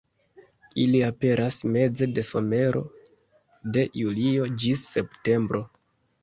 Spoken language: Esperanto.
Ili aperas meze de somero, de julio ĝis septembro.